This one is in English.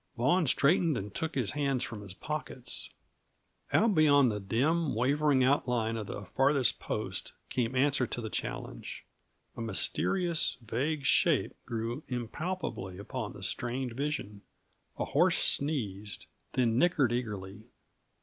Vaughan straightened and took his hands from his pockets. Out beyond the dim, wavering outline of the farthest post came answer to the challenge. A mysterious, vague shape grew impalpably upon the strained vision; a horse sneezed, then nickered eagerly.